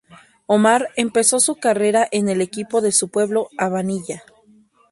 Omar empezó su carrera en el equipo de su pueblo, Abanilla.